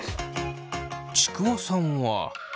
ちくわさんは。